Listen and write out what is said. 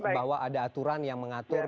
bahwa ada aturan yang mengatur